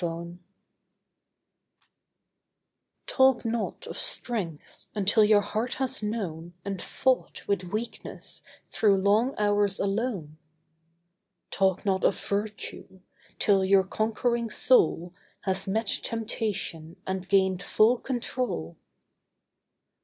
CONQUEST Talk not of strength, until your heart has known And fought with weakness through long hours alone. Talk not of virtue, till your conquering soul Has met temptation and gained full control.